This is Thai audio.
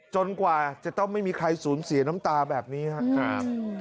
กว่าจะต้องไม่มีใครสูญเสียน้ำตาแบบนี้ครับ